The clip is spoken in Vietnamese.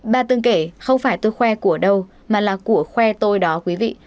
bà từng kể không phải tôi khoe của đâu mà là của khoe tôi đó quý vị